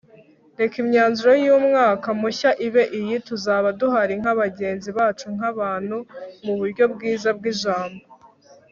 reka imyanzuro y'umwaka mushya ibe iyi: tuzaba duhari nka bagenzi bacu nk'abantu, mu buryo bwiza bw'ijambo